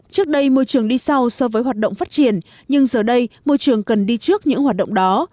trước đây môi trường đi sau so với hoạt động phát triển nhưng giờ đây môi trường cần đi trước những hoạt động đó